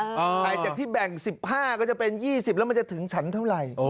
หลังจากที่แบ่ง๑๕ก็จะเป็น๒๐แล้วมันจะถึงฉันเท่าไหร่